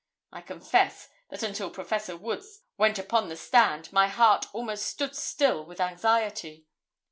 I confess that until Prof. Wood went upon the stand my heart almost stood still with anxiety.